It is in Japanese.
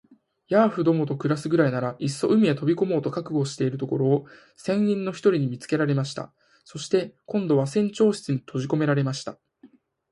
ヤーフどもと暮すくらいなら、いっそ海へ飛び込もうと覚悟しているところを、船員の一人に見つけられました。そして、今度は船長室にとじこめられました。